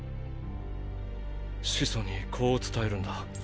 始祖にこう伝えるんだ。